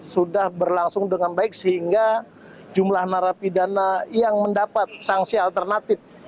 sudah berlangsung dengan baik sehingga jumlah narapidana yang mendapat sanksi alternatif